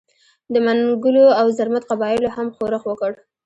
د منګلو او زرمت قبایلو هم ښورښ وکړ.